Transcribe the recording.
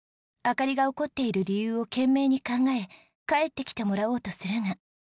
灯が怒っている理由を懸命に考え帰ってきてもらおうとするが。